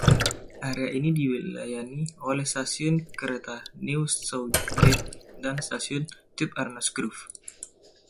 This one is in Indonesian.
Area ini dilayani oleh stasiun kereta New Southgate dan stasiun tube Arnos Grove.